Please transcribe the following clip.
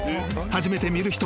［初めて見る人。